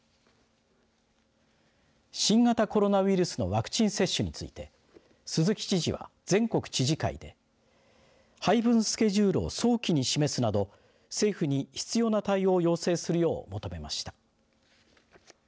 新型コロナウイルスのワクチン接種について鈴木知事は全国知事会で配分スケジュールを早期に示すなど政府に必要な対応を要請するよう求めました。